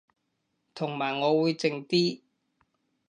同埋我會靜啲